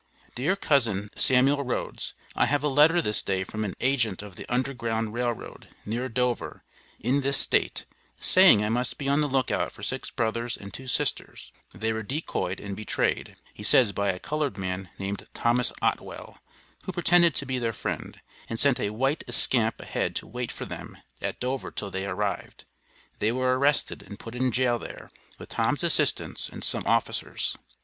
DEAR COUSIN, SAMUEL RHOADS: I have a letter this day from an agent of the Underground Rail Road, near Dover, in this state, saying I must be on the look out for six brothers and two sisters, they were decoyed and betrayed, he says by a colored man named Thomas Otwell, who pretended to be their friend, and sent a white scamp ahead to wait for them at Dover till they arrived; they were arrested and put in Jail there, with Tom's assistance, and some officers.